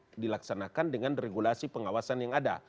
dan di sini kita melakukan dengan regulasi pengawasan yang ada